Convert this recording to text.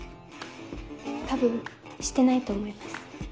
多分してないと思います。